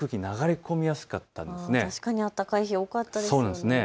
確かに温かい日、多かったですね。